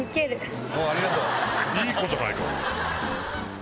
いい子じゃないか！